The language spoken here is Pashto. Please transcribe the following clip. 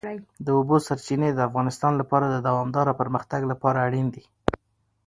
د اوبو سرچینې د افغانستان د دوامداره پرمختګ لپاره اړین دي.